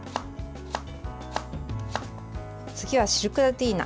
次は、シルクラティーナ。